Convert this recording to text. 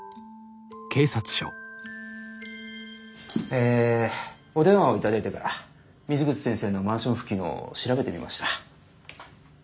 えお電話を頂いてから水口先生のマンション付近を調べてみました。